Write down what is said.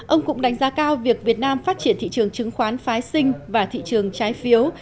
ông cũng đánh giá cao việc việt nam phát triển thị trường chứng khoán phái sinh và thị trường trái phiếu